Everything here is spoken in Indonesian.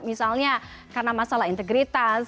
misalnya karena masalah integritas